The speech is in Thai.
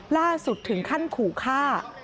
ล่าสุดถึงขั้นขู่ฆ่า